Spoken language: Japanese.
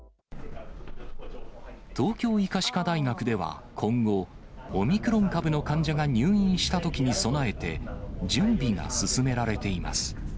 東京医科歯科大学では今後、オミクロン株の患者が入院したときに備えて、準備が進められています。